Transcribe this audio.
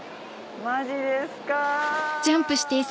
マジですか。